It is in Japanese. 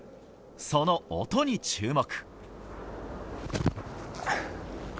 その音に注目。